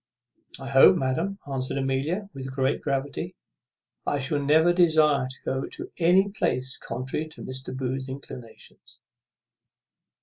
"I hope, madam," answered Amelia with great gravity, "I shall never desire to go to any place contrary to Mr. Booth's inclinations."